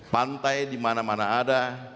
pantai dimana mana ada